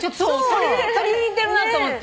鳥に似てるなと思って。